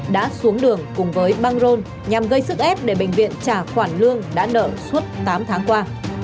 đã xuống đường cùng với băng rôn nhằm gây sức ép để bệnh viện trả khoản lương đã nợ suốt tám tháng qua